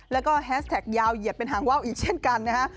แล้วก็แฮสแท็กยาวเหยียดเป็นหางว่าวอีกเช่นกันนะฮะ